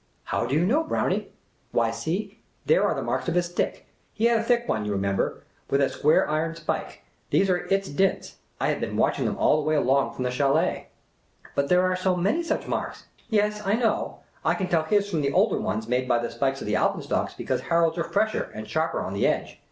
" How do you know, Brownie ?"" Why, see, there are the marks of his stick ; he had a thick one, you remember, with a square iron spike. These The Impromptu Mountaineer 133 are its dints ; I have been watching them all the way along from the chdlct:' *' But there are so many such marks !''" Yes, I know ; I can tell his from the older ones made by the spikes of alpenstocks because Harold's are fresher and sharper on the edge.